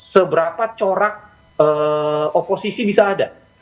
seberapa corak oposisi bisa ada